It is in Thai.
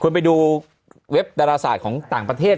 คุณไปดูเว็บดาราศาสตร์ของต่างประเทศ